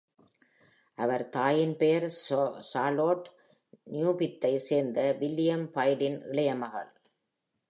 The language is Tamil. அவர் தாயின் பெயர் சார்லோட், நியூபித்தை சேர்ந்த வில்லியம் பைர்டின் இளைய மகள்.